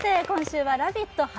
今週は「ラヴィット！」